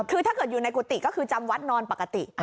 คือถ้าเกิดอยู่ในกุฏิก็คือจำวัดนอนปกติ